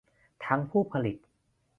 ทั้งผู้ผลิต